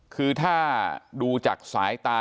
คือถ้าดูจากสายตา